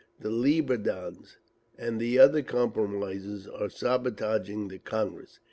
"The 'Lieber Dans' and the other compromisers are sabotaging the Congress.